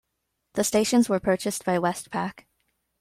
The stations were purchased by Westpac.